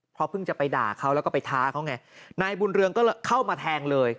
เพราะเพิ่งจะไปด่าเขาแล้วก็ไปท้าเขาไงนายบุญเรืองก็เข้ามาแทงเลย